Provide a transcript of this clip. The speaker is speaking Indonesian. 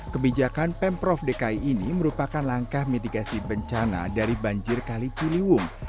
kebijakan pemprov dki ini merupakan langkah mitigasi bencana dari banjir kali ciliwung